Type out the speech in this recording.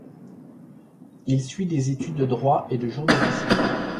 Il suit des études de droit et de journalisme.